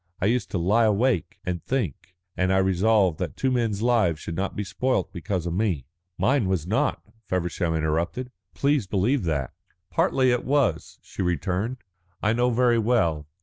I used to lie awake and think, and I resolved that two men's lives should not be spoilt because of me." "Mine was not," Feversham interrupted. "Please believe that." "Partly it was," she returned, "I know very well.